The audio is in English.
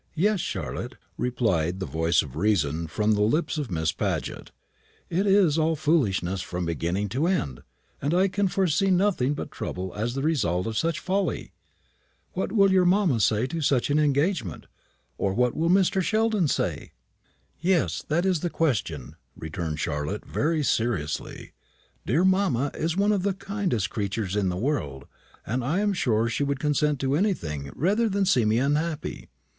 "Yes, Charlotte," replied the voice of reason from the lips of Miss Paget; "it is all foolishness from beginning to end, and I can foresee nothing but trouble as the result of such folly. What will your mamma say to such an engagement? or what will Mr. Sheldon say?" "Yes, that is the question," returned Charlotte, very seriously. "Dear mamma is one of the kindest creatures in the world, and I'm sure she would consent to anything rather than see me unhappy.